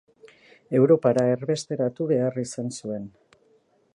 Europara erbesteratu behar izan zuen.